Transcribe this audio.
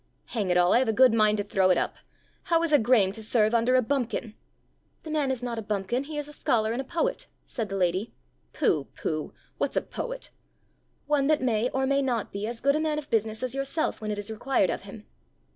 Hang it all! I have a good mind to throw it up. How is a Graeme to serve under a bumpkin?" "The man is not a bumpkin; he is a scholar and a poet!" said the lady. "Pooh! pooh! What's a poet?" "One that may or may not be as good a man of business as yourself when it is required of him."